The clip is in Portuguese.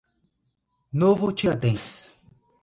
Novo Tiradentes